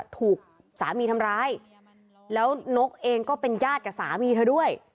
ถูกสามีทำร้ายแล้วนกเองก็เป็นญาติกับสามีเธอด้วย